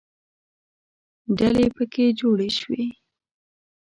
ډلې پکې جوړې شوې.